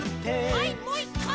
はいもう１かい！